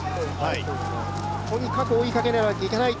とにかく追いかけなければいけない